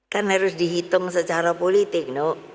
kan harus dihitung secara politik